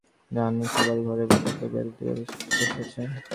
রানু বসার ঘরে ছোট টেবিলে চুপচাপ বসে আছে।